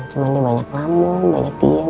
cuma dia banyak lamun banyak diem